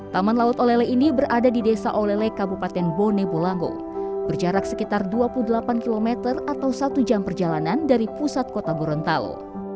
taman laut olele ini berada di desa olele kabupaten bone bolango berjarak sekitar dua puluh delapan km atau satu jam perjalanan dari pusat kota gorontalo